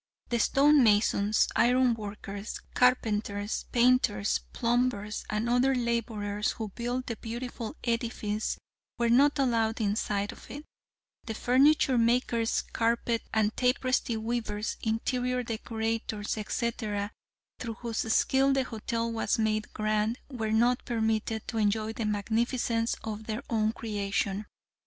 The stone masons, iron workers, carpenters, painters, plumbers and other laborers who built the beautiful edifice were not allowed inside of it. The furniture makers, carpet and tapestry weavers, interior decorators, etc., through whose skill the hotel was made grand, were not permitted to enjoy the magnificence of their own creation.